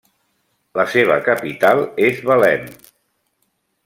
La seva capital és Belém.